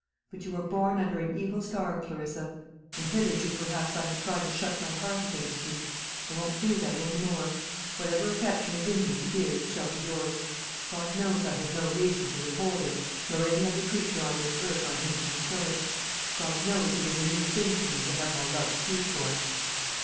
But you were born under an evil star, Clarissa; and hitherto perhaps I have tried to shut my heart against you. I won't do that any more. Whatever affection is in me to give shall be yours. God knows I have no reason to withhold it, nor any other creature on this earth on whom to bestow it. God knows it is a new thing for me to have my love sued for."